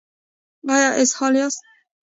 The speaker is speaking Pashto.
ایا اسهال یاست؟